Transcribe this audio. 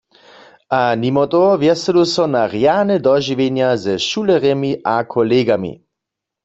A nimo toho wjeselu so na rjane dožiwjenja ze šulerjemi a kolegami.